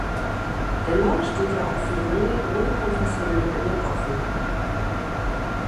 Dennoch steht er auch für Jungen ohne konfessionelle Bindung offen.